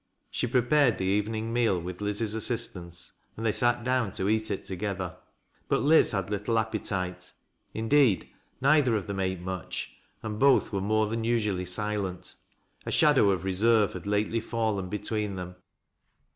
She prepared the evening meal with Liz's assist ance and they sat down to eat it together. But Liz had little appetite. Indeed neither of them ate much and both were more than usually silent. A shadow of reserve had lately fallen between them.